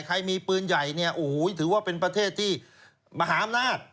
ใครมีปืนใหญ่ถือว่าเป็นประเทศที่มหามนาฏ